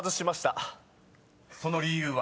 ［その理由は？］